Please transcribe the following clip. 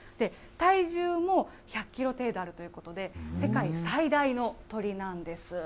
体重も１００キロ程度あるということで、世界最大の鳥なんです。